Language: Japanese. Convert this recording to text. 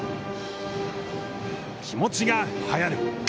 気持ちがはやる。